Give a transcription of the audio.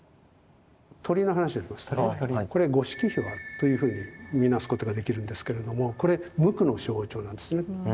鳥の話をしますとねこれゴシキヒワというふうにみなすことができるんですけれどもこれ無垢の象徴なんですね。